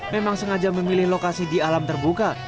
memang sengaja memilih lokasi di alam terbuka